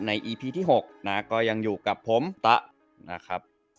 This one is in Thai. อีพีที่๖นะก็ยังอยู่กับผมตะนะครับ